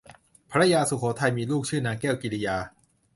พระยาสุโขทัยมีลูกชื่อนางแก้วกิริยา